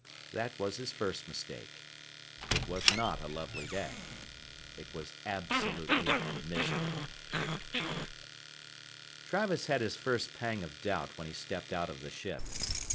That was his first mistake. It was not a lovely day. It was absolutely miserable. Travis had his first pang of doubt when he stepped out of the ship.